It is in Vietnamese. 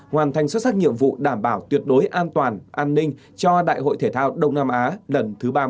hoàn thành xuất sắc nhiệm vụ đảm bảo tuyệt đối an toàn an ninh cho đại hội thể thao đông nam á lần thứ ba mươi